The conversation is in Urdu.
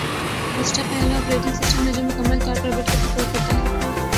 وسٹا پہلا اوپریٹنگ سسٹم ہے جو مکمل طور پر بٹ کو سپورٹ کرتا ہے